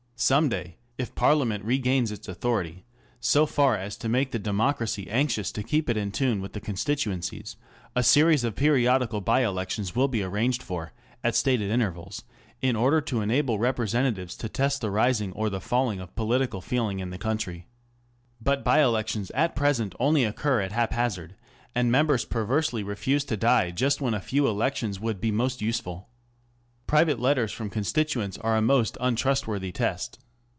Some day, if Parliament regains its authority so far as to make the democracy anxious to keep it in tune with the constituencies, a series of periodical bye elections will be arranged for at stated intervals, in order to enable representatives to test the rising or the falling of political feeling in the country. But bye elections at present only occur at haphazard, and members perversely refuse to die just when a few test elections would, be most useful. Private letters from constituents are a most untrustworthy test.